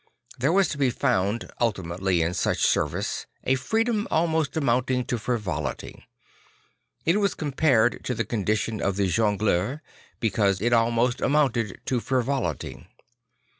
There was to be found ultimately in such service a freedom almost amounting to frivolity. It was comparable to the condition of the jongleur because it almost amounted to frivolity.